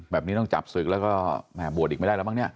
แบบนี้ต้องจับศึกแล้วก็แหม่บวชอีกไม่ได้แล้วมั้งเนี่ย